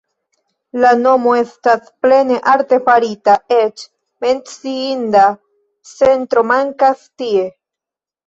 La nomo estas plene artefarita, eĉ menciinda centro mankas tie.